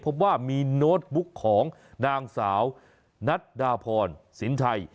พบว่ามีโน้ตบุ๊กของนางสาวนัดดาพรสินชัย